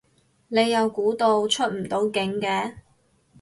你又估到出唔到境嘅